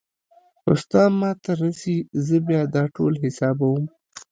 خو ستا ما ته رسي زه بيا دا ټول حسابوم.